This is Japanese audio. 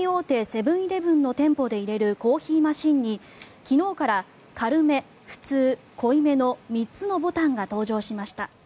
セブン−イレブンの店舗で入れるコーヒーマシンに昨日から軽め、ふつう、濃いめの３つのボタンが登場しました。